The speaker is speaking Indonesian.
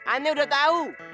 aneh udah tau